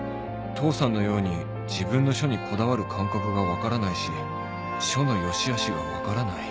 父さんのように自分の書にこだわる感覚が分からないし書の良しあしが分からない